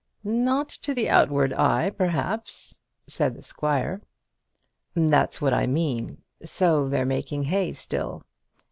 "Not to the outward eye, perhaps," said the squire. "That's what I mean. So they're making hay still.